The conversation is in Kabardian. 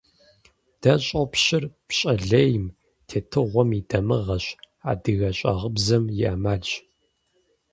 Дэ щӀопщыр пщӀэ лейм, тетыгъуэм и дамыгъэщ, адыгэ щӀагъыбзэм и Ӏэмалщ.